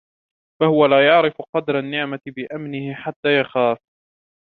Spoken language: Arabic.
فَهُوَ لَا يَعْرِفُ قَدْرَ النِّعْمَةِ بِأَمْنِهِ حَتَّى يَخَافَ